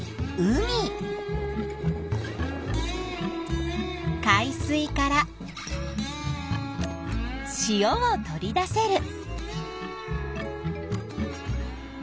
海水から塩を取り出せる。